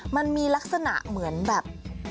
มันมีลักษณะเหมือนแบบ